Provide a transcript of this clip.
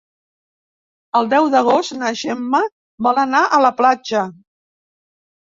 El deu d'agost na Gemma vol anar a la platja.